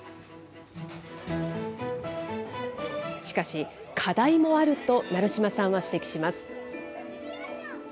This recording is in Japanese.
しかし、課題もあると、成島さんは指摘します。